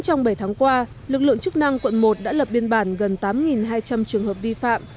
trong bảy tháng qua lực lượng chức năng quận một đã lập biên bản gần tám hai trăm linh trường hợp vi phạm